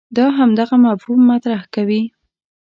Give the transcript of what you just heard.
دا همدغه مفهوم مطرح کوي.